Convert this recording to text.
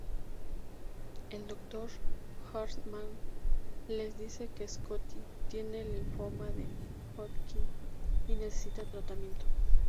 El Dr. Hartman les dice que Scotty tiene linfoma de Hodgkin y necesita tratamiento.